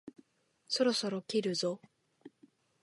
そろそろ切るぞ？